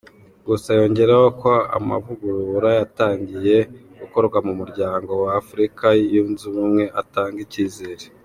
Gusa yongeraho ko amavugurura yatangiye gukorwa mu Muryango wa Afurika yunze Ubumwe atanga icyizere.